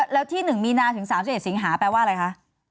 แล้วที่๑มีนาถึง๓๑สิงหาแปลว่าอะไรคะ